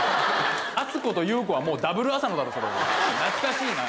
「アツコとユウコ」はもうダブル浅野だろそれ懐かしいな。